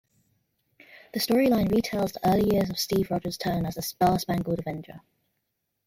The storyline re-tells the early years of Steve Rogers' turn as the Star-Spangled Avenger.